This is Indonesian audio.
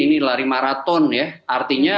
ini lari maraton ya artinya